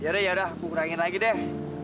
yaudah yaudah aku kurangin lagi deh